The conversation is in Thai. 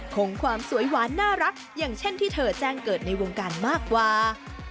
คงความสวยหวานน่ารักอย่างเช่นที่เธอแจ้งเกิดในวงการมากกว่า